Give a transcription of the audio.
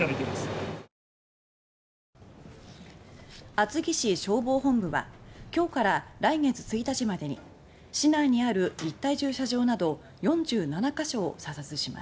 厚木市消防本部は今日から来月１日までに市内にある立体駐車場など４７か所を査察します。